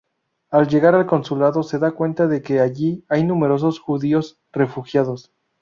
Al llegar al consulado se da cuenta de que allí hay numerosos judíos refugiados.